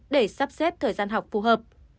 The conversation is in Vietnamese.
và sắp xếp thời gian học phù hợp